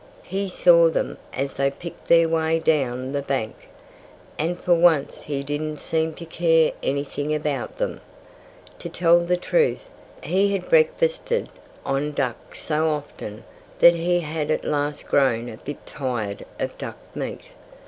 He saw them as they picked their way down the bank. And for once he didn't seem to care anything about them. To tell the truth, he had breakfasted on duck so often that he had at last grown a bit tired of duck meat.